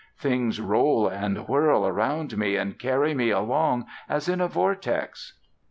Things roll and whirl round me and carry me along as in a vortex".